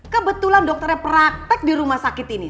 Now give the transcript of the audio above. kebetulan dokternya praktek di rumah sakit ini